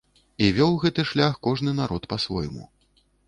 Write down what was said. І вёў гэты шлях кожны народ па-свойму.